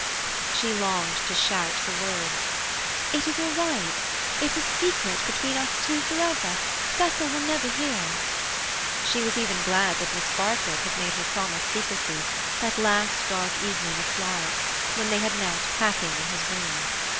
She longed to shout the words: "It is all right. It's a secret between us two for ever. Cecil will never hear." She was even glad that Miss Bartlett had made her promise secrecy, that last dark evening at Florence, when they had knelt packing in his room.